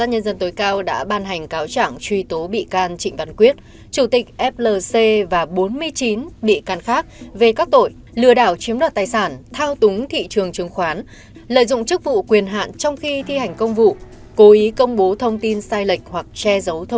hãy đăng ký kênh để ủng hộ kênh của chúng mình nhé